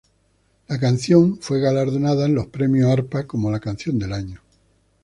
La canción fue galardonada en los Premios Arpa como la canción del año.